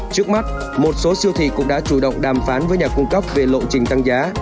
trước mắt một số siêu thị cũng đã chủ động đàm phán với nhà cung cấp về lộ trình tăng giá